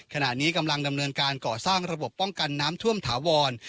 ขณะนี้กำลังดำเนินการก่อสร้างระบบป้องกันน้ำท่วมถาวร